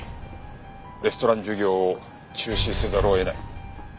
レストラン事業を中止せざるを得ない。